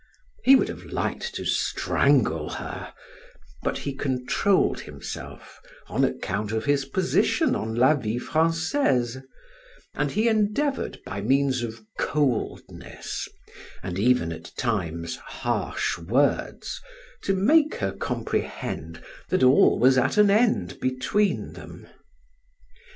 He would have liked to strangle her, but he controlled himself on account of his position on "La Vie Francaise" and he endeavored by means of coldness, and even at times harsh words, to make her comprehend that all was at an end between them.